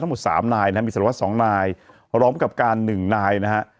ทั้งหมดสามนายนะฮะมีศาลวัฒน์สองนายรองประกาศการหนึ่งนายนะฮะ